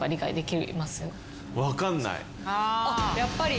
やっぱり？